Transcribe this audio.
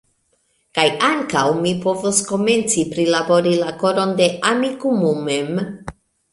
Kaj ankaŭ mi povos komenci prilabori la koron de Amikumu mem.